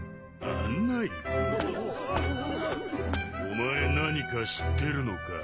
お前何か知ってるのか？